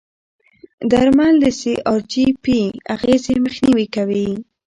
درمل د سی ار جي پي اغېزې مخنیوي کوي.